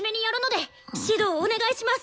指導お願いします